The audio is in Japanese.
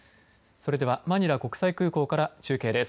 それではマニラ国際空港から中継です。